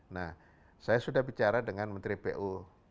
nah saya sudah bicara dengan menteri pu